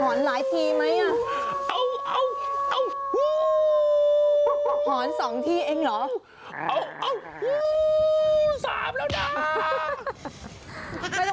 หอนหลายทีมั้ยอ้าวอ้าวอ้าวฮู้วหอนสองทีเองเหรออ้าวอ้าวฮู้วสามแล้วด้า